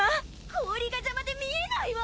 氷が邪魔で見えないわ！